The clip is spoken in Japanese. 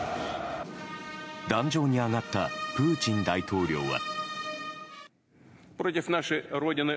壇上に上がったプーチン大統領は。